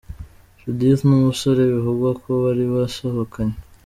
Judith n'umusore bivugwa ko bari basohokanye.